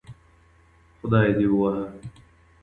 خدای دي ووهه